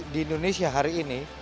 di indonesia hari ini